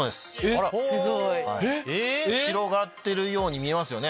すごい！広がってるように見えますよね。